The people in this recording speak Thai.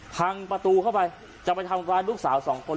พังประตูเข้าไปจะไปทำร้ายลูกสาวสองคน